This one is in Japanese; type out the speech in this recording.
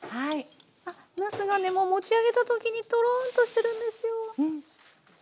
あっなすがねもう持ち上げた時にとろんとしてるんですよ。